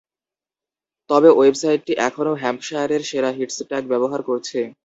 তবে ওয়েবসাইটটি এখনও হ্যাম্পশায়ারের সেরা হিটস ট্যাগ ব্যবহার করছে।